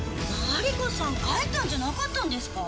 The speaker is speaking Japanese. マリコさん帰ったんじゃなかったんですか！？